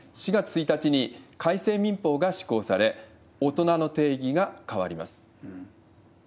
４月１日に改正民法が施行され、大人の定義が変わります。